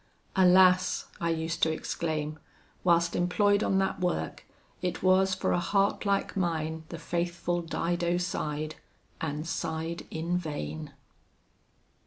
"'Alas!' I used to exclaim, 'whilst employed on that work, it was for a heart like mine the faithful Dido sighed, and sighed in vain!'